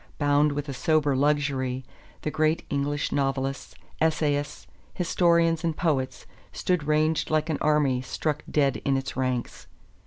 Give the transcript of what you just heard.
Bound with a sober luxury, the great English novelists, essayists, historians and poets stood ranged like an army struck dead in its ranks.